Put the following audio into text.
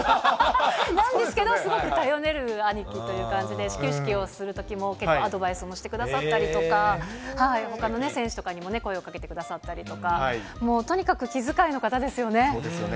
なんですけれども、すごく頼れる兄貴という感じで、始球式をするときも結構アドバイスもしてくださったりとか、ほかの選手とかにも声をかけてくださったりとか、そうですよね。